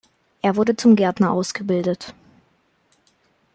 Er wurde zum Gärtner ausgebildet.